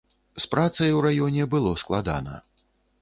З працай у раёне было складана.